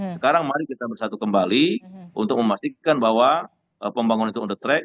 sekarang mari kita bersatu kembali untuk memastikan bahwa pembangunan itu on the track